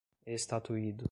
estatuído